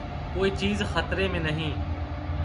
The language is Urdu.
کوئی چیز خطرے میں نہیں۔